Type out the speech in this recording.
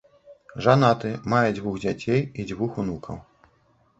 Жанаты, мае дзвух дзяцей і дзвух унукаў.